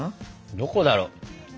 どこだろう？